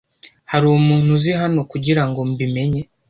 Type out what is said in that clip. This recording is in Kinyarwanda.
Hari umuntu uzi hano kugirango mbi menye